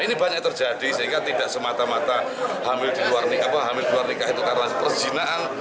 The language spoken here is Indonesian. ini banyak terjadi sehingga tidak semata mata hamil di luar nikah itu karena perzinahan